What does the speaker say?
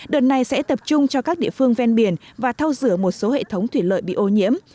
đợt này sẽ tập trung cho các địa phương ven biển và thao rửa một số hệ thống thủy lợi bị ô nhiễm